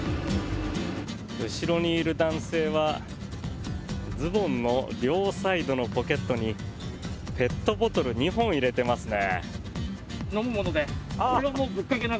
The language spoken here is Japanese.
後ろにいる男性はズボンの両サイドのポケットにペットボトル２本入れてますね。